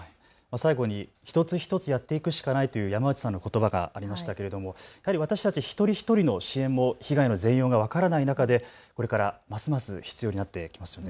最後に一つ一つやっていくしかないという山内さんのことばがありましたけれども私たち一人一人の支援も被害の全容が分からない中でこれからますます必要になってきますね。